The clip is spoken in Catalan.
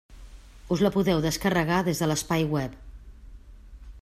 Us la podeu descarregar des de l'espai web.